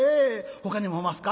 ほかにもおますか？」。